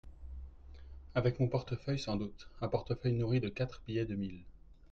Avec mon portefeuille, sans doute… un portefeuille nourri de quatre billets de mille…